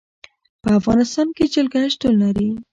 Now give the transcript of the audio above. په افغانستان کې جلګه شتون لري.